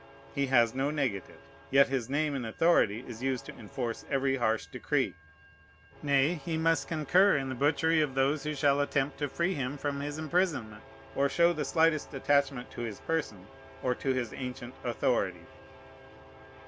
He has no negative; yet his name and authority is used to enforce every harsh decree. Nay, he must concur in the butchery of those who shall attempt to free him from his imprisonment, or show the slightest attachment to his person or to his ancient authority.